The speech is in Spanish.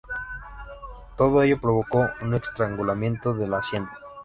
Todo ello provocó un estrangulamiento de la hacienda.